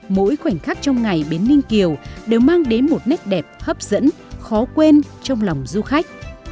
mỗi khoảnh khắc trong ngày bến ninh kiều đều mang đến một nét đẹp hấp dẫn khó quên trong lòng du khách